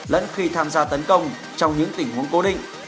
lẫn khi tham gia tấn công trong những tình huống cố định